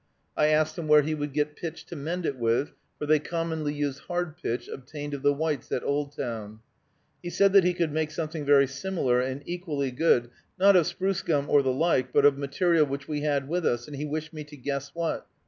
I asked him where he would get pitch to mend it with, for they commonly use hard pitch, obtained of the whites at Oldtown. He said that he could make something very similar, and equally good, not of spruce gum, or the like, but of material which we had with us; and he wished me to guess what.